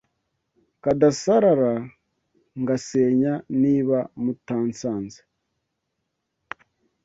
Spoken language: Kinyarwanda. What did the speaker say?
Kadasarara ngasenya Niba mutansanze